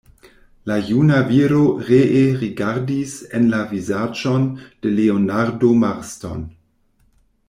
La juna viro ree rigardis en la vizaĝon de Leonardo Marston.